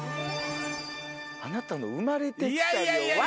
「あなたの『生まれてきた理由』」。